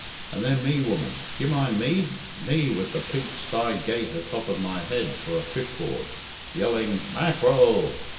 "And then me, woman, d'ye mind me? me, with the pig stye gate atop of my head for a fish board, yelling, 'Mackerel!